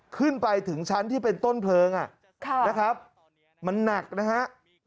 ขึ้นไปถึงชั้นที่เป็นต้นเพลิงมันหนักนะครับ